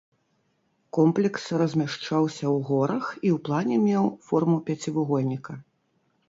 Комплекс размяшчаўся ў горах і ў плане меў форму пяцівугольніка.